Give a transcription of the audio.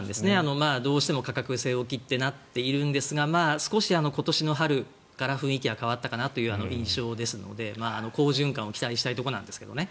どうしても価格据え置きとなっているんですが少し今年の春から雰囲気は変わったかなというような印象ですので、好循環を期待したいところですが。